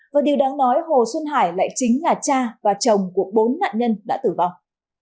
và điều đáng nói hồ xuân hải lại chính là cha và chồng của bốn nạn nhân đã tử vong